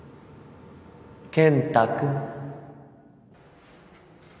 健太君